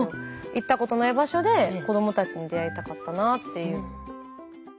行ったことない場所で子どもたちに出会いたかったなあっていう。